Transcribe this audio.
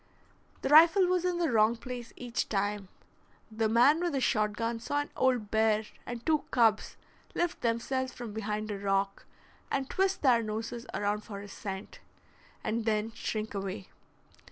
The rifle was in the wrong place each time. The man with the shot gun saw an old bear and two cubs lift themselves from behind a rock and twist their noses around for his scent, and then shrink away.